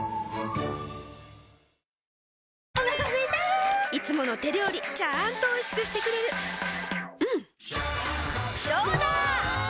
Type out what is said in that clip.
お腹すいたいつもの手料理ちゃんとおいしくしてくれるジューうんどうだわ！